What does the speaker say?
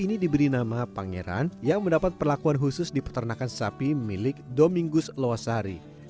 ini diberi nama pangeran yang mendapat perlakuan khusus di peternakan sapi milik domingus loasari